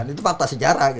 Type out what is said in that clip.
itu fakta sejarah